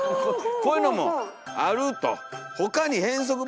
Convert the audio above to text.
こういうのもあると。